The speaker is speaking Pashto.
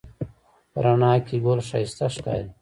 په رڼا کې ګل ښایسته ښکاري